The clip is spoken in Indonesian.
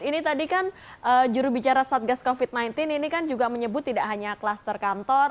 ini tadi kan jurubicara satgas covid sembilan belas ini kan juga menyebut tidak hanya kluster kantor